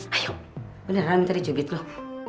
ayo beneran minta dijubit loh